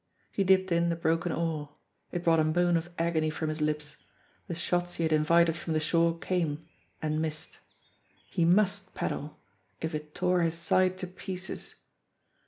He dipped in the broken oar. It brought a moan of agony from his lips. The shots he had invited from the shore came i and missed. He must paddle if it tore his side to pieces.